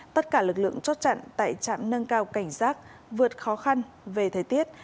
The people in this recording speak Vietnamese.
tất cả lực lượng chốt chặn tại trạm nâng cao cảnh giác vượt khó khăn về thời tiết